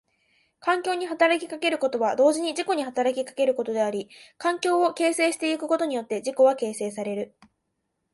環境に働きかけることは同時に自己に働きかけることであり、環境を形成してゆくことによって自己は形成される。